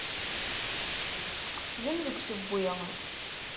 Tqefzem deg usewwi.